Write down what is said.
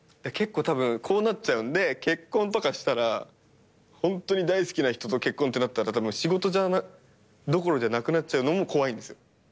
結構たぶんこうなっちゃうんで結婚とかしたらホントに大好きな人と結婚ってなったら仕事どころじゃなくなっちゃうのも怖いんですよ。